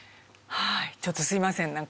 はいちょっとすみません。